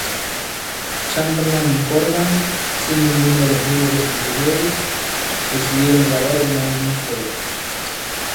Chamberlin y Corgan, sin ninguno de los miembros anteriores, decidieron grabar un álbum solos.